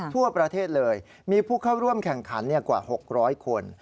ทั่วประเทศเลยมีผู้เข้าร่วมแข่งขันกว่า๖๐๐คน